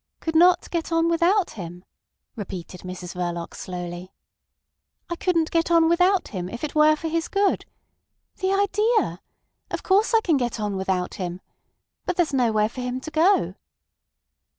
"Could not get on without him!" repeated Mrs Verloc slowly. "I couldn't get on without him if it were for his good! The idea! Of course, I can get on without him. But there's nowhere for him to go."